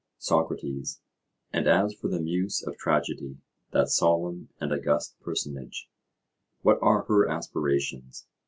SOCRATES: And as for the Muse of Tragedy, that solemn and august personage—what are her aspirations?